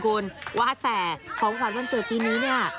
คุณว่าแต่ของขวัญวันเกิดปีนี้เนี่ย